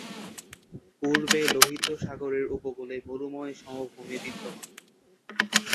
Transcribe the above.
পূর্বে লোহিত সাগরের উপকূলে মরুময় সমভূমি বিদ্যমান।